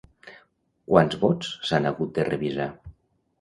Quants vots s'han hagut de revisar?